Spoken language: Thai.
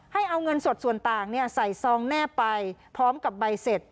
ให้เอาเงินสดส่วนต่างใส่ซองแนบไปพร้อมกับใบเสร็จ